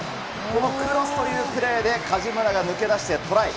このクロスというプレーで梶村が抜け出してトライ。